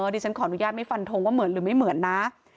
ดิฉันขออนุญาตไม่ฟันทงว่าเหมือนหรือไม่เหมือนนะ